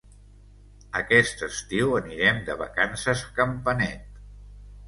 Aquest estiu anirem de vacances a Campanet.